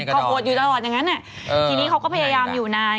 ก็โหดอยู่ตลอดอย่างนั้นทีนี้เขาก็พยายามอยู่นาน